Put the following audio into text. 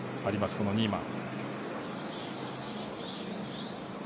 このニーマン。